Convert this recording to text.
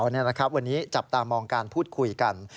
วันนี้จับตามองการพูดคุยกัน